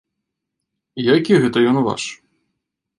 Які гэта ён ваш?